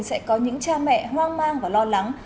sẽ có những cha mẹ hoang mang và lo lắng